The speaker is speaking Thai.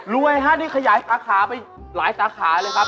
ฮะนี่ขยายสาขาไปหลายสาขาเลยครับ